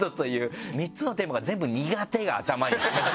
３つのテーマが全部「苦手」が頭に。